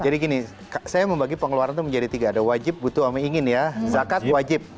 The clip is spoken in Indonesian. jadi gini saya membagi pengeluaran menjadi tiga ada wajib butuh ama ingin ya zakat wajib